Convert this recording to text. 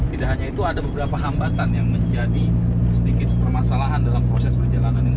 tidak hanya itu ada beberapa hambatan yang menjadi sedikit permasalahan dalam proses perjalanan ini